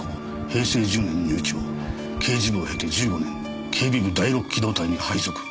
平成１０年入庁刑事部を経て１５年警備部第六機動隊に配属。